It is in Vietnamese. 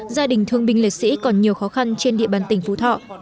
gia đình thương binh liệt sĩ còn nhiều khó khăn trên địa bàn tỉnh phú thọ